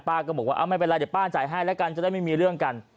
ก็บอกว่าไม่เป็นไรเดี๋ยวป้าจ่ายให้แล้วกันจะได้ไม่มีเรื่องกัน